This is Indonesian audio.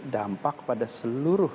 dampak pada seluruh